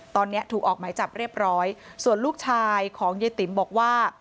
ตอนนี้ถูกออกหมายจับเรียบร้อยส่วนลูกชายของยายติ๋มบอกว่า